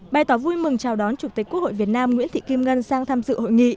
bày tỏ vui mừng chào đón chủ tịch quốc hội việt nam nguyễn thị kim ngân sang tham dự hội nghị